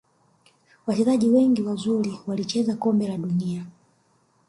Wachezaji wengi wazuri walicheza kombe la dunia